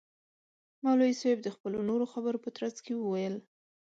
مولوی صاحب د خپلو نورو خبرو په ترڅ کي وویل.